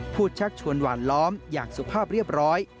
ชักชวนหวานล้อมอย่างสุภาพเรียบร้อย